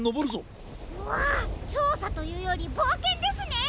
うわちょうさというよりぼうけんですね！